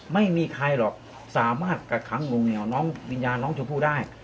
ไม่มีใครหรอกสามารถกักขังลงแนวน้องวิญญาณน้องชมพู่ได้